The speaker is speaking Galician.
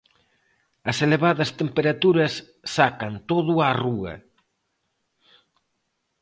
As elevadas temperaturas sacan todo á rúa.